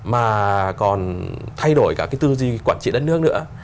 mà còn thay đổi cả cái tư duy quản trị đất nước nữa